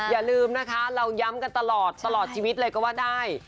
อย่าลืมนะคะเราย้ำกันตลอดตลอดชีวิตเลยก็ว่าได้